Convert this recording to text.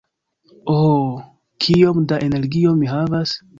Ho, kiom da energio mi havas?